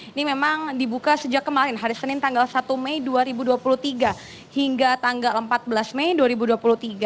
ini memang dibuka sejak kemarin hari senin tanggal satu mei dua ribu dua puluh tiga hingga tanggal empat belas mei dua ribu dua puluh tiga